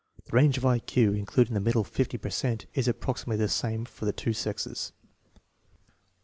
The range of I Q including the middle fifty per cent is approximately the same for the two sexes. 1 4.